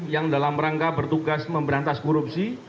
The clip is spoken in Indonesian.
yang dalam rangka bertugas memberantas korupsi